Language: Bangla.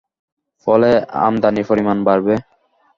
ফলে আমদানির পরিমাণ বাড়বে।